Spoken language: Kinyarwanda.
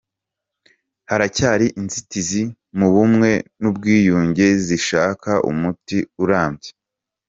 Haracyari inzitizi mu Bumwe n’Ubwiyunge zishaka umuti urambye